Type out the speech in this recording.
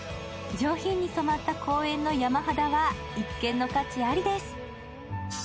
上品に染まった公園の山肌は一見の価値ありです。